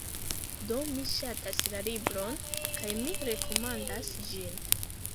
Do, mi ŝatas la libron, kaj mi rekomendas ĝin.